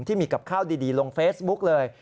ที่มีกับข้าวดีลงเฟซบุ๊กเลย